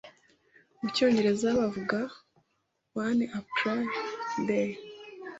mu cyongereza bavuga “one apple a day,